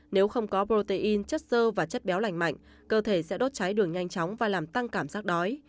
nếu không có protein chất sơ và chất béo lành mạnh cơ thể sẽ đốt cháy đường nhanh chóng và làm tăng cảm giác đói